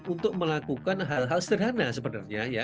untuk melakukan hal hal sederhana sebenarnya